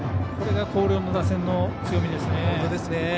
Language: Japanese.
これが広陵の打線の強みですね。